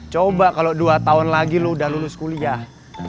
coba kalo dua tahun lagi lo udah lulus kuliah